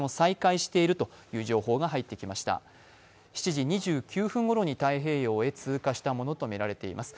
７時２９分ごろに太平洋に通過したものとみられています。